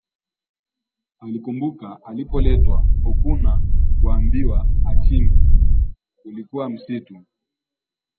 Alikumbuka alipoletwa hukuna kuambiwa achimbe, kulikuwa msitu